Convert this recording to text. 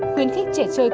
khuyến khích trẻ chơi trẻ